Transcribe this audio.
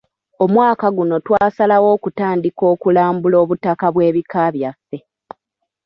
Omwaka guno twasalawo okutandika okulambula obutaka bw'ebika byaffe.